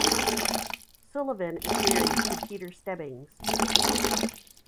Sullivan is married to Peter Stebbings.